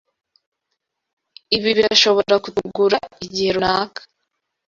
Ibi birashobora kutugura igihe runaka.